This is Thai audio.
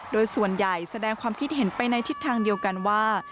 โดยส่วนใหญ่แสดงความคิดเห็นไปในทิศทางเดียวกันว่า